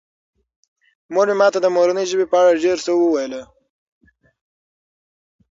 مور مې ماته د مورنۍ ژبې په اړه ډېر څه وویل.